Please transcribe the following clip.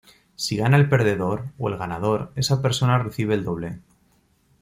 Si gana el perdedor, o el ganador, esa persona recibe el doble.